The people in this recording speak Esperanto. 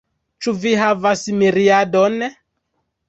Ĉu vi havas miriadon?